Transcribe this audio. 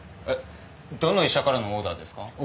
えっどの医者からのオーダーですか？